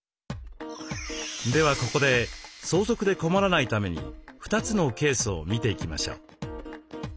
ではここで相続で困らないために２つのケースを見ていきましょう。